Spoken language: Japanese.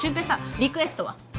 リクエストは？